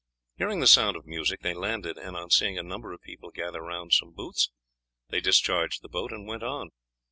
Hearing the sound of music they landed, and on seeing a number of people gather round some booths they discharged the boat and went on.